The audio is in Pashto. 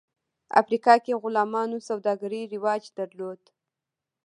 افریقا کې غلامانو سوداګري رواج درلود.